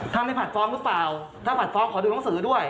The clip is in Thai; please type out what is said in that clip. ถ้าไม่ผัดฟ้องหรือเปล่าถ้าผัดฟ้องขอดูหนังสือด้วย